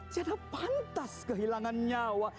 tiada pantas kehilangan nyawa